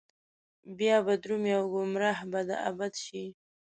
بيا به درومي او ګمراه به د ابد شي